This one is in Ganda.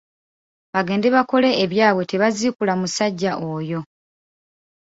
Bagende bakole ebyabwe tebaziikula musajja oyo.